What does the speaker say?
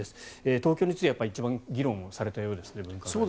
東京については一番議論をされたようですね分科会。